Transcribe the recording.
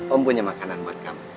om punya makanan buat kamu